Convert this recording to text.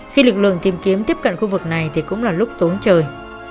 khi lực lượng tìm kiếm tiếp cận khu vực này thì cũng là lúc tốn trời